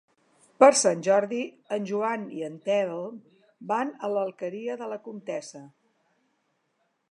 Per Sant Jordi en Joan i en Telm van a l'Alqueria de la Comtessa.